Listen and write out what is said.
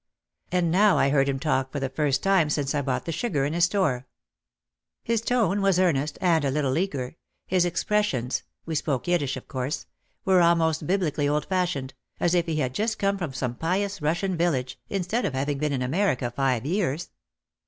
And now I heard him talk for the first time since I bought the sugar in his store. His tone was earnest, and a little eager, his ex pressions, — we spoke Yiddish, of course, — were almost Biblically old fashioned, as if he had just come from some pious Russian village instead of having been in America five years.